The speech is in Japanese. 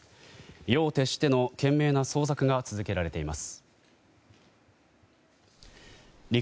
夜を徹しての懸命な捜索が続けられています。